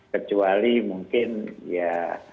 kecuali mungkin ya